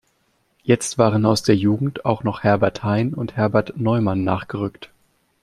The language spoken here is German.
Jetzt waren aus der Jugend auch noch Herbert Hein und Herbert Neumann nachgerückt.